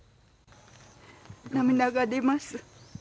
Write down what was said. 涙が出ます。